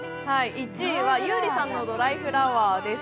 １位は優里さんの「ドライフラワー」です。